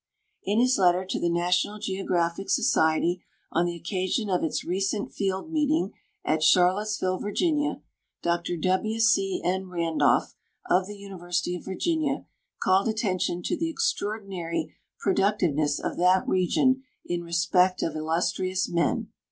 In his letter to the National Geographic Society on the occasion of its recent field meeting at Charlottesville, Va., Dr W. C. N. Randolph, of the University of Virginia, called attention to the extraordinary productive ness of that region in resi)ect of illustrious men.